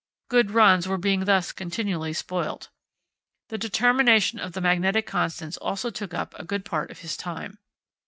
Good runs were being thus continually spoilt. The determination of the magnetic constants also took up a good part of his time.